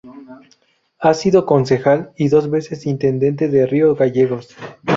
Ha sido concejal y dos veces intendente de Río Gallegos.